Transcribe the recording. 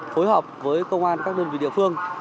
phối hợp với công an các đơn vị địa phương